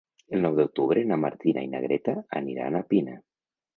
El nou d'octubre na Martina i na Greta aniran a Pina.